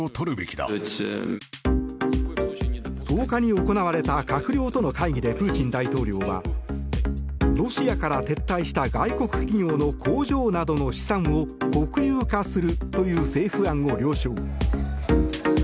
１０日に行われた閣僚との会議でプーチン大統領はロシアから撤退した外国企業の工場などの資産を国有化するという政府案を了承。